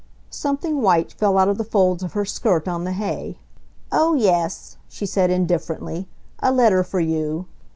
Something white fell out of the folds of her skirt on the hay. "Oh, yes," she said indifferently. "A letter for you.